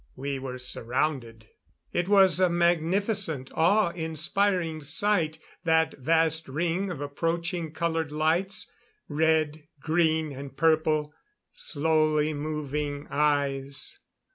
We were surrounded. It was a magnificent, awe inspiring sight, that vast ring of approaching colored lights. Red, green and purple slowly moving eyes.